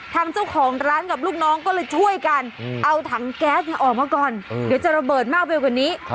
ทางเจ้าของร้านกับลูกน้องก็เลยช่วยกันเอาถังแก๊สออกมาก่อนเดี๋ยวจะระเบิดมากไปกว่านี้